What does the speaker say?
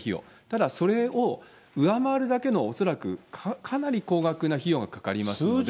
ただそれを上回るだけの、恐らくかなり高額な費用がかかりますので。